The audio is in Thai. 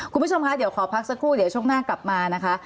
คุณผู้ชมคะเดี๋ยวขอพักสักครู่เดี๋ยวช่วงหน้ากลับมานะคะ